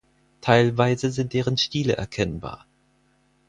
Teilweise sind deren Stiele erkennbar.